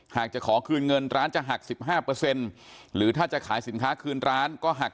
หากจะขอคืนเงินร้านจะหัก๑๕หรือถ้าจะขายสินค้าคืนร้านก็หัก